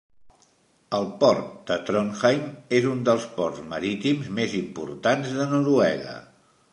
El port de Trondheim és un dels ports marítims més importants de Noruega.